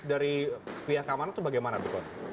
dari pihak mana itu bagaimana bapak